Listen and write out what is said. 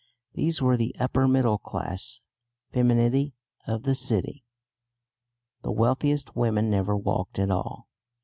These were the upper middle class femininity of the city (the wealthiest women never walk at all).